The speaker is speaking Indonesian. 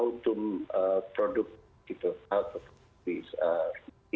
film dengar ini bisa dibilang kami tidak punya referensi